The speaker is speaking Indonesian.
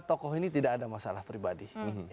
tokoh ini tidak ada masalah pribadi